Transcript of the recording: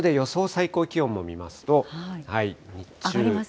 最高気温も見ますと、日中。